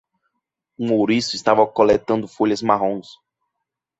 Um ouriço estava coletando folhas marrons.